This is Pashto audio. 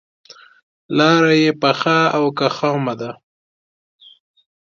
لاره یې پخه او که خامه ده.